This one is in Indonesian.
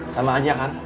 sama aja kang